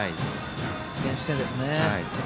先取点ですね。